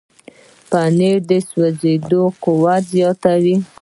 پنېر د سوځېدو قوت زیاتوي.